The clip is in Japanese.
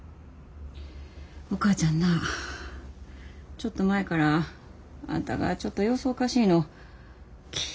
お母ちゃんなちょっと前からあんたがちょっと様子おかしいの気ぃ